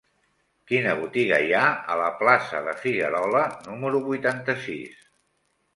Quina botiga hi ha a la plaça de Figuerola número vuitanta-sis?